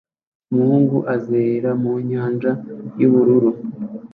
Umuhungu azerera mu nyanja yubururu